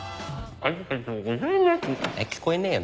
聞こえねえよ。